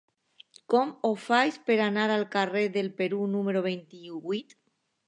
Com ho faig per anar al carrer del Perú número vint-i-vuit?